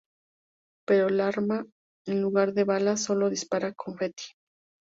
Pero el arma en lugar de balas sólo dispara confeti.